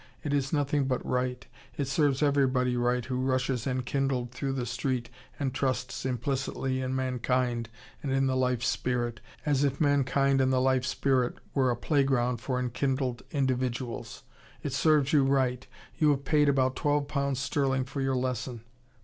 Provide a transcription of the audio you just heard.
It is nothing but right. It serves everybody right who rushes enkindled through the street, and trusts implicitly in mankind and in the life spirit, as if mankind and the life spirit were a playground for enkindled individuals. It serves you right. You have paid about twelve pounds sterling for your lesson.